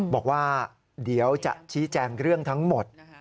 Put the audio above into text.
บอกว่าเดี๋ยวจะชี้แจงเรื่องทั้งหมด